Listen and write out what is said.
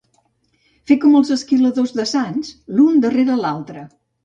Fer com els esquiladors de Sants, l'un darrere l'altre.